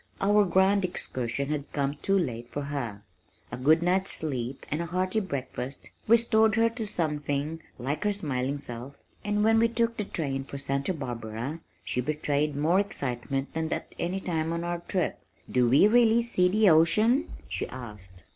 Our grand excursion had come too late for her. A good night's sleep and a hearty breakfast restored her to something like her smiling self and when we took the train for Santa Barbara she betrayed more excitement than at any time on our trip. "Do we really see the ocean?" she asked.